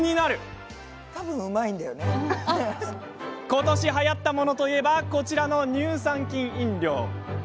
今年、はやったものといえばこちらの乳酸菌飲料。